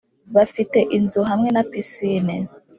bafite inzu hamwe na pisine